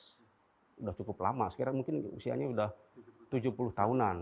sudah cukup lama sekarang mungkin usianya sudah tujuh puluh tahunan